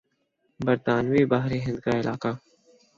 برطانوی بحر ہند کا علاقہ